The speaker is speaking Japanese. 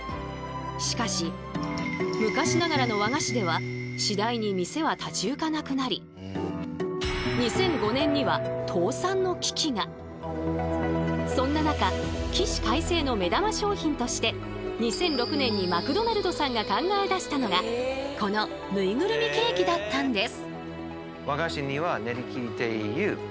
しかし昔ながらの和菓子では次第に店は立ち行かなくなりそんな中起死回生の目玉商品として２００６年にマクドナルドさんが考え出したのがこのぬいぐるみケーキだったんです。